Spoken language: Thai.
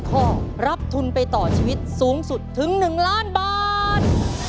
ข้อรับทุนไปต่อชีวิตสูงสุดถึง๑ล้านบาท